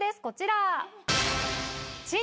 こちら。